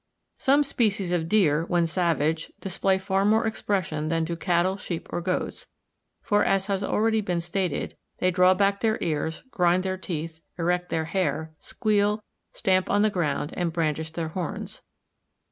Some species of deer, when savage, display far more expression than do cattle, sheep, or goats, for, as has already been stated, they draw back their ears, grind their teeth, erect their hair, squeal, stamp on the ground, and brandish their horns.